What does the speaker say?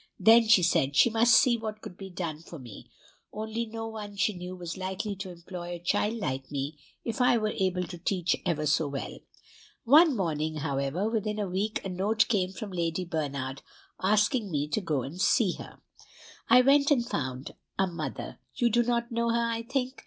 Then she said she must see what could be done for me, only no one she knew was likely to employ a child like me, if I were able to teach ever so well. One morning, however, within a week, a note came from Lady Bernard, asking me to go and see her. "I went, and found a mother. You do not know her, I think?